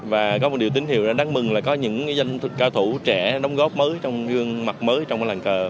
và có một điều tín hiệu đáng mừng là có những danh cao thủ trẻ đóng góp mấy trong gương mặt mấy trong làng cờ